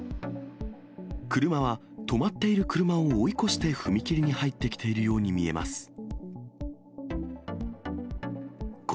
車は、止まっている車を追い越して踏切に入ってきているように見えます。